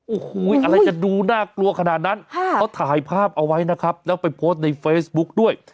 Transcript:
โอ้โหอะไรจะดูน่ากลัวขนาดนั้นเขาถ่ายภาพเอาไว้นะครับแล้วไปโพสต์ในเฟซบุ๊กด้วย